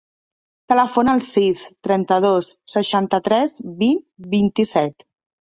Telefona al sis, trenta-dos, seixanta-tres, vint, vint-i-set.